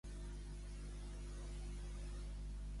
Dairying segueix sent una indústria important de Karamea.